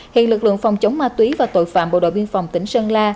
hiện lực lượng phòng chống ma túy và tội phạm bộ đội biên phòng tỉnh sơn la